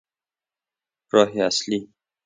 راه اصلی